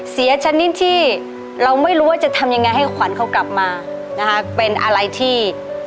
เสียฉะนั้นที่เราไม่รู้ว่าจะทำยังไงให้ขวานเขากลับมาเป็นอะไรที่